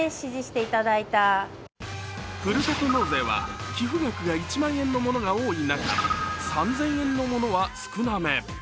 ふるさと納税は寄付額が１万円が多い中、３０００円のものは少なめ。